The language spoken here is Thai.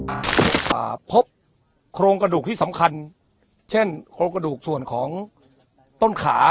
อ่าพบโครงกระดูกที่สำคัญเช่นโครงกระดูกส่วนของต้นขา